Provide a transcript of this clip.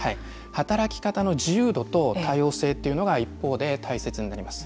働き方の自由度と多様性っていうのが一方で大切になります。